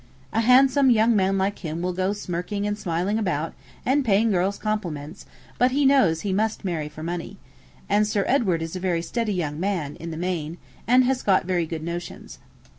A handsome young man like him will go smirking and smiling about, and paying girls compliments, but he knows he must marry for money. And Sir Edward is a very steady young man, in the main, and has got very good notions.'